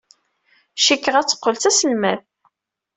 Cikkeɣ ad teqqel d taselmadt.